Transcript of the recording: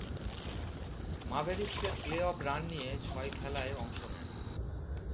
ম্যাভেরিকসের playoff run নিয়ে ছয় খেলায় অংশ নেন।